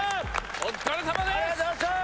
お疲れさまです